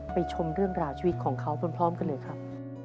ชมเรื่องราวชีวิตของเขาพร้อมกันเลยครับ